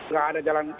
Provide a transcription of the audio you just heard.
gak ada jalan